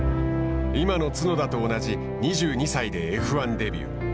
今の角田と同じ２２歳でＦ１デビュー。